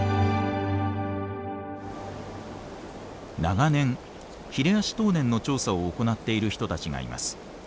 長年ヒレアシトウネンの調査を行っている人たちがいます。